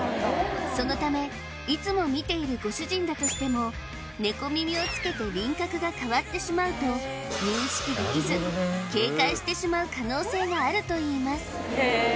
そのためいつも見ているご主人だとしてもネコ耳をつけて輪郭が変わってしまうと認識できず警戒してしまう可能性があるといいます